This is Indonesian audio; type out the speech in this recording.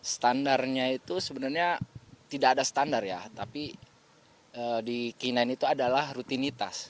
standarnya itu sebenarnya tidak ada standar ya tapi di k sembilan itu adalah rutinitas